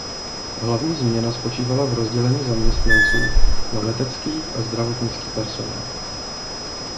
Hlavní změna spočívala v rozdělení zaměstnanců na letecký a zdravotnický personál.